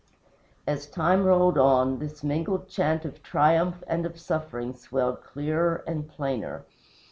As time rolled on, this mingled chant of triumph and of suffering swelled clearer and plainer.